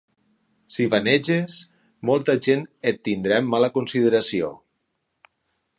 Si vaneges, molta gent et tindrà en mala consideració.